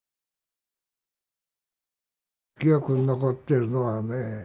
記憶に残ってるのはね